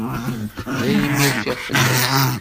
Daymi rfiɣ fell-as.